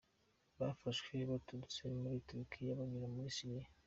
Bafashwe baturutse muri Turukiya banyura muri Syria.